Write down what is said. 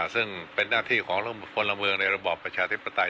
ซึ่งเป็นหน้าที่ของคนละเมืองในระบอบประชาธิปไตย